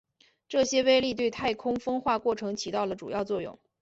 这些微粒对太空风化过程起到了主要作用。